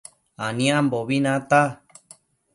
Aniambobi nata